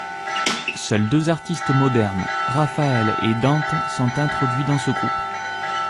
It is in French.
Seuls deux artistes modernes, Raphaël et Dante, sont introduits dans ce groupe.